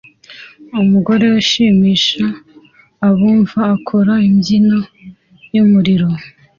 Umugore ushimisha abumva akora imbyino yumuriro